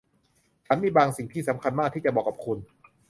ฉันมีบางสิ่งที่สำคัญมากที่จะบอกกับคุณ